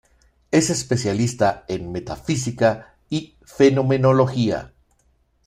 Es especialista en Metafísica y Fenomenología.